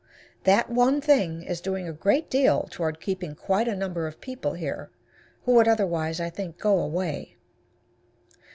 That one thing is doing a great deal toward keeping quite a number of people here who would otherwise, I think, go away.